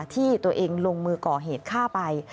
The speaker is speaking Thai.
ที่ตัวเองลงมือก่อเหตุฆ่าไป